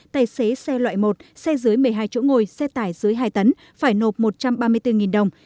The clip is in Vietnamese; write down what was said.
tài xế xe loại một xe dưới một mươi hai chỗ ngồi xe tải dưới hai tấn phải nộp một trăm ba mươi bốn đồng